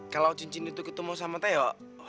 kalau cincin itu ketemu sama teh